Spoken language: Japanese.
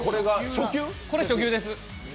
これ初級です。